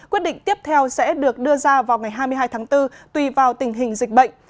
quyết định tiếp theo sẽ được đưa ra vào ngày hai mươi hai tháng bốn tùy vào tình hình dịch bệnh